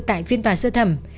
tại phiên tòa sơ thẩm